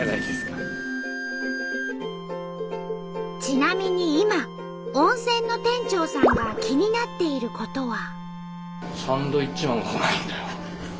ちなみに今温泉の店長さんが気になっていることは。